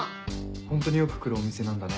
ホントによく来るお店なんだね。